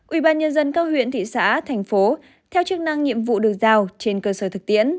ủy ban nhân dân cao huyện thị xã thành phố theo chức năng nhiệm vụ được giao trên cơ sở thực tiễn